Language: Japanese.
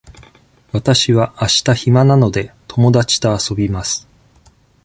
わたしはあした暇なので、友達と遊びます。